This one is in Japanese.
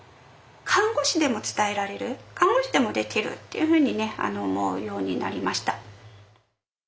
看護師でも伝えられる看護師でもできるっていうふうにね思うようになりました。